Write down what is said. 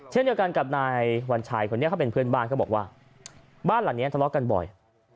เช่นเดียวกันกับนายวัญชัยคนนี้เขาเป็นเพื่อนบ้านเขาบอกว่าบ้านหลังนี้ทะเลาะกันบ่อย